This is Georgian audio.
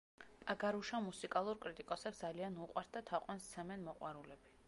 პაგარუშა მუსიკალურ კრიტიკოსებს ძალიან უყვართ და თაყვანს სცემენ მოყვარულები.